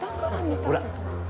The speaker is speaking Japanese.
ほら！